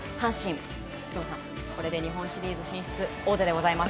有働さん、阪神はこれで日本シリーズ進出王手でございます。